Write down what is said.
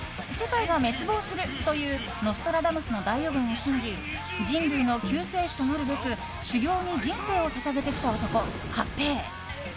世界が滅亡するというノストラダムスの大予言を信じ人類の救世主となるべく修行に人生を捧げてきた男、勝平。